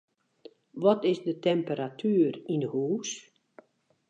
Wat is de temperatuer yn 'e hús?